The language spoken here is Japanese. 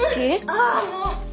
ああもう！